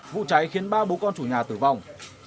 vụ cháy khiến ba bố con chủ nhà tử vong